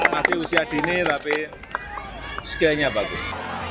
masih usia dini tapi skill nya bagus